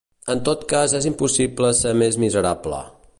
En tot cas és impossible ser més miserable.